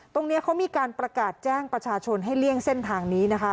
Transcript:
ตรงนี้เขามีการประกาศแจ้งประชาชนให้เลี่ยงเส้นทางนี้นะคะ